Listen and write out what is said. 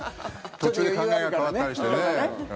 途中で考えが変わったりしてね。